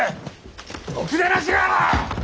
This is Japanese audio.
ろくでなしが！